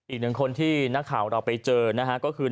อีกหนึ่งคนที่นักข่าวเราไปเจอนะฮะก็คือ